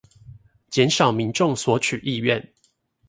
減少民眾索取意願